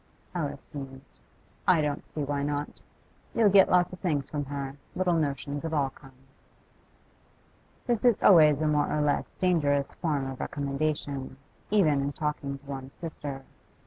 Alice mused. 'I don't see why not. You'll get lots of things from her, little notions of all kinds.' This is always a more or less dangerous form of recommendation, even in talking to one's sister.